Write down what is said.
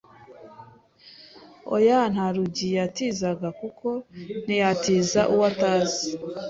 oya nta rugi yatizaga kuko ntiyatiza uwo utazi